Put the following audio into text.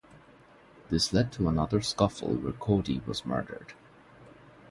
This led to another scuffle where Kody was murdered.